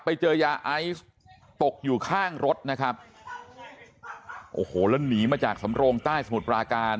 ไปเจอยาไอซ์ตกอยู่ข้างรถนะครับโอ้โหแล้วหนีมาจากสำโรงใต้สมุทรปราการ